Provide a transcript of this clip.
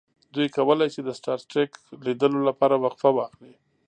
دوی کولی شي د سټار ټریک لیدلو لپاره وقفه واخلي